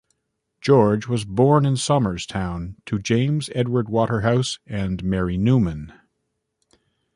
George was born in Somers Town to James Edward Waterhouse and Mary Newman.